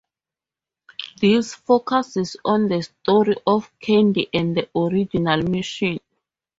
This focuses on the story of Kendy and the original mission.